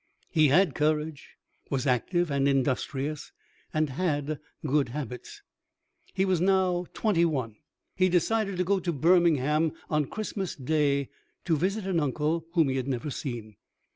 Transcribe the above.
He had courage, was active and industrious, and had good habits. He was now twenty one. He decided to go to Birmingham on Christmas Day, to visit an uncle whom he had never seen.